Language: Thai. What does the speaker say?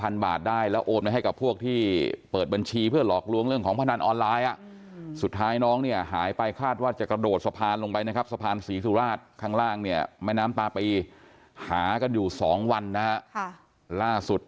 ในสภาพที่น้องเป็นศพลอยน้ำอยู่นะครับ